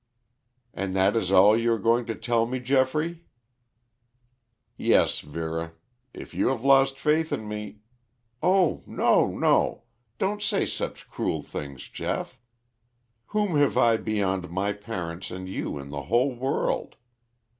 "And that is all you are going to tell me, Geoffrey?" "Yes, Vera. If you have lost faith in me " "Oh, no, no! Don't say such cruel things, Geoff. Whom have I beyond my parents and you in the whole world!